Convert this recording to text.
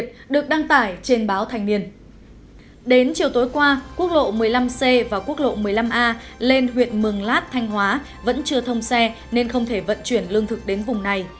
đến chiều tối qua quốc lộ một mươi năm c và quốc lộ một mươi năm a lên huyện mường lát thanh hóa vẫn chưa thông xe nên không thể vận chuyển lương thực đến vùng này